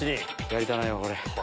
やりたないわこれ。